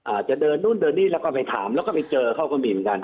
อาจจะเดินนู่นเดินนี่แล้วก็ไปถามแล้วก็ไปเจอเขาก็มีเหมือนกัน